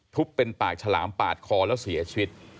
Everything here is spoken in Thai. เป็นปากฉลามปาดคอแล้วเสียชีวิต